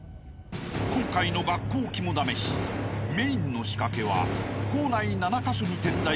［今回の学校きもだめしメインの仕掛けは校内７カ所に点在する